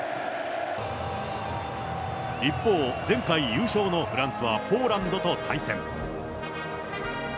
一方、前回優勝のフランスはポーランドと対戦。